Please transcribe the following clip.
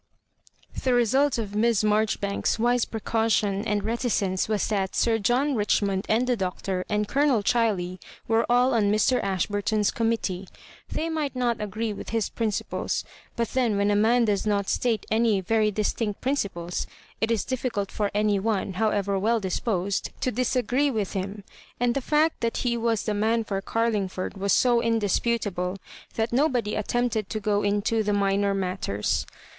The result of Miss Maijoribanks's wise precau tion and reticence was that Sir John Richmond and the Doctor and Colonel Chiley were all on Mr. Ashburton^s committee. They might not agree with his principles ; but then when a man does not state any very distinct principles, it is difficult for any one, however well disposed, to disagree wlfti him ; and the fa^t that he was the man for Carlingford was so indisputable, that nobody attempted to go into the minor mattera.